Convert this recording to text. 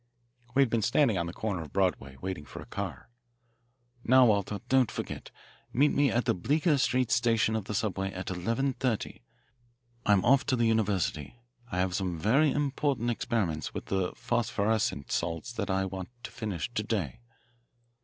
We had been standing on the corner of Broadway, waiting for a car. "Now, Walter, don't forget. Meet me at the Bleecker Street station of the subway at eleven thirty. I'm off to the university. I have some very important experiments with phosphorescent salts that I want to finish to day."